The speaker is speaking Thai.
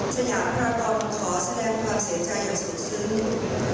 สยังพระราบขอแสดงความเสียใจอย่างสูงซึ้น